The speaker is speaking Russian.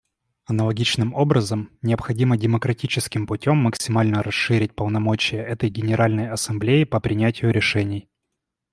Аналогичным образом, необходимо демократическим путем максимально расширить полномочия этой Генеральной Ассамблеи по принятию решений.